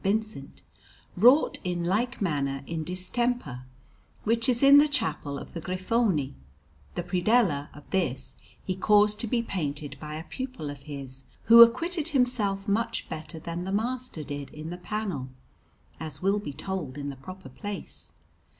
Vincent, wrought in like manner in distemper, which is in the Chapel of the Griffoni; the predella of this he caused to be painted by a pupil of his, who acquitted himself much better than the master did in the panel, as will be told in the proper place.